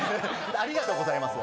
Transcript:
「ありがとうございます」は？